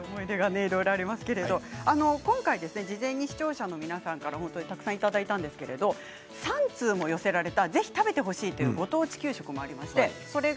今回、事前に視聴者の皆さんからたくさんいただいたんですけど３通も寄せられたぜひ食べてほしいというご当地給食があります。